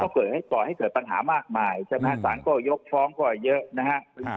ก็ก่อให้เกิดปัญหามากมายใช่ไหมสารก็ยกฟ้องก็เยอะนะฮะ